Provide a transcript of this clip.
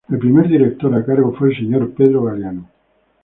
El primer director a cargo fue el señor Pedro Galiano.